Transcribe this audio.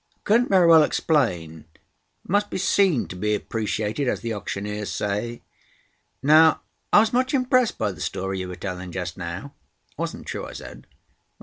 "I couldn't very well explain. It must be seen to be appreciated, as the auctioneers say. Now, I was much impressed by the story you were telling just now." "It wasn't true," I said.